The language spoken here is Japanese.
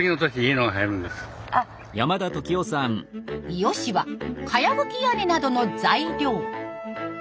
ヨシはかやぶき屋根などの材料。